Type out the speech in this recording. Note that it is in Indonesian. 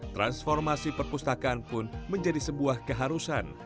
transformasi perpustakaan pun menjadi sebuah keharusan